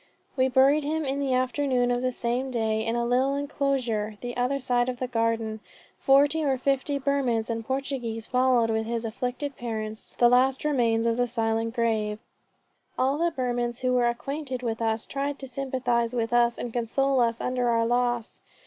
We buried him in the afternoon of the same day, in a little enclosure, the other side of the garden. Forty or fifty Burmans and Portuguese followed with his afflicted parents the last remains to the silent grave. All the Burmans who were acquainted with us, tried to sympathize with us and console us under our loss."